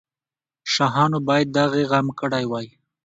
شاهانو باید د هغې غم کړی وای.